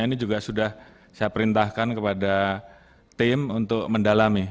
ini juga sudah saya perintahkan kepada tim untuk mendalami